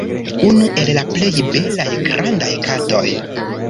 Unu el la plej belaj grandaj katoj.